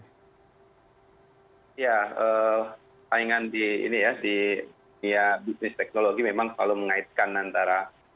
taringan di bisnis teknologi memang selalu mengaitkan antara